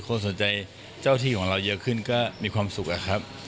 คนสนใจเจ้าที่ของเราเยอะขึ้นก็มีความสุขอะครับ